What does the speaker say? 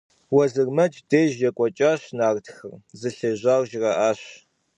Vuezırmec dêjj yêk'uelh'aş nartxer, zılhêjar jjra'aş.